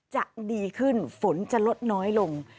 จะดีขึ้นฝนจะลดน้อยลง